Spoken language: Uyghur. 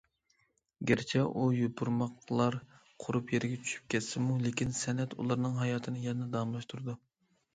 گەرچە ئۇ يوپۇرماقلار قۇرۇپ يەرگە چۈشۈپ كەتسىمۇ، لېكىن سەنئەت ئۇلارنىڭ ھاياتىنى يەنىلا داۋاملاشتۇرىدۇ.